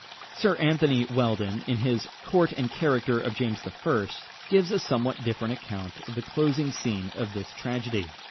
Sir Anthony Weldon, in his Court and Character of James I., gives a somewhat different account of the closing scene of this tragedy.